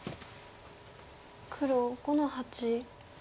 黒５の八。